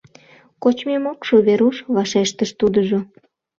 — Кочмем ок шу, Веруш, — вашештыш тудыжо.